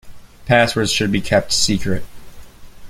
Passwords should be kept secret.